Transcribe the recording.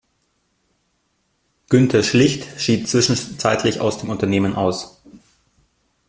Günter Schlicht schied zwischenzeitlich aus dem Unternehmen aus.